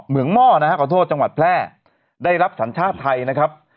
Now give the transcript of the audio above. หม้อนะฮะขอโทษจังหวัดแพร่ได้รับสัญชาติไทยนะครับ